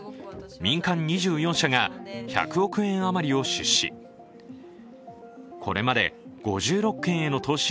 民間２４社が１００億円余りを投資。